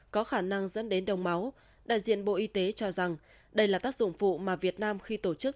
có khả năng dẫn đến đầu máu đại diện bộ y tế cho rằng đây là tác dụng phụ mà việt nam khi tổ chức